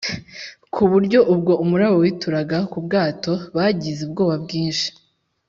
ku buryo ubwo umuraba wituraga ku bwato, bagize ubwoba bwinshi